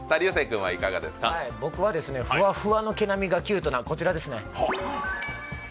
僕は、ふわふわの毛並みがキュートなこちらですね。